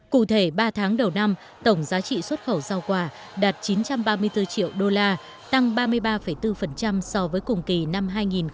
cụ thể ba tháng đầu năm tổng giá trị xuất khẩu rau quả đạt chín trăm ba mươi bốn triệu đô la tăng ba mươi ba bốn so với cùng kỳ năm hai nghìn một mươi chín